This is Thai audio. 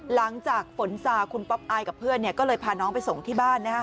หลังจากฝนซาคุณป๊อปอายกับเพื่อนก็เลยพาน้องไปส่งที่บ้าน